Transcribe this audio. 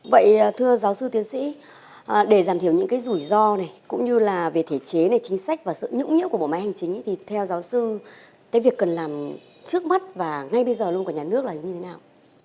vậy thưa giáo sư tiến sĩ để giảm thiểu những cái rủi ro này cũng như là về thể chế này chính sách và sự nhũng nhĩa của bộ máy hành chính thì theo giáo sư cái việc cần làm trước mắt và ngay bây giờ luôn của nhà nước là như thế nào